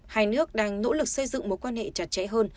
hai nước đang nỗ lực xây dựng mối quan hệ chặt chẽ hơn